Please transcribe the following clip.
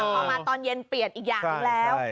พอมาตอนเย็นเปลี่ยนอีกอย่างหนึ่งแล้ว